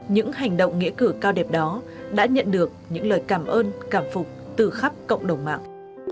những hành động nghĩa cử cao đẹp đó đã nhận được những lời cảm ơn cảm phục từ khắp cộng đồng mạng